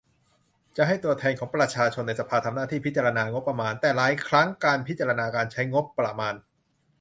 จะให้ตัวแทนของประชาชนในสภา ทำหน้าที่พิจารณางบประมาณ แต่หลายครั้งการพิจารณาการใช้งบประมาณ